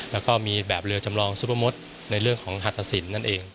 แล้วก็มีแบบเรือจำลองซุปเปอร์มดในเรื่องของหัตตสินนั่นเอง